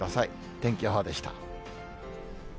天気予報でした。